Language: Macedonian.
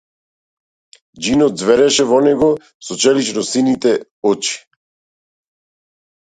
Џинот ѕвереше во него со челичносините очи.